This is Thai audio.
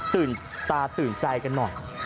ตื่นตาตื่นใจกันหน่อย